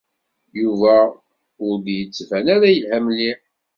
Yuba ur d-yettban ara yelha mliḥ.